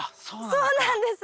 そうなんです。